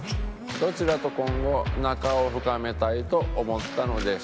どちらと今後仲を深めたいと思ったのでしょうか？